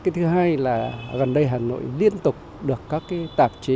cái thứ hai là gần đây hà nội liên tục được các tạp chế